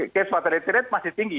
case fatality rate masih tinggi